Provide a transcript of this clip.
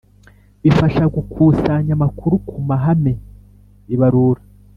Bifasha gukusanya amakuru ku mahame ibarura